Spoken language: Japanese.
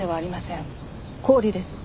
氷です。